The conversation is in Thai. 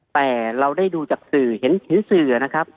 แต่เราได้ดูจากสื่อเห็นสื่อนะครับ